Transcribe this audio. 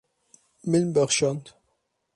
Min bexşand.